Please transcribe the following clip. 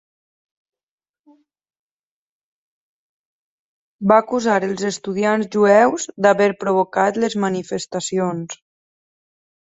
Va acusar els estudiants jueus d'haver provocat les manifestacions.